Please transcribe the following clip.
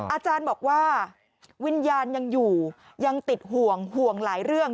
อาจารย์บอกว่าวิญญาณยังอยู่ยังติดห่วงห่วงหลายเรื่อง